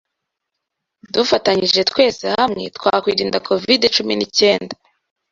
Dufatanyije twese hamwe twakwirinda covid cumi n'icyenda?